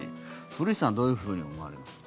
古市さんどういうふうに思われますか？